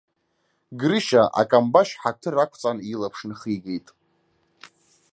Грышьа акамбашь хаҭыр ақәҵан илаԥш нахигеит.